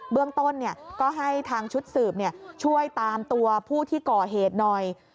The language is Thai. เรื่องต้นก็ให้ทางชุดสืบช่วยตามตัวผู้ที่ก่อเหตุหน่อย